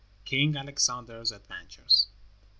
] King Alexander's Adventures I.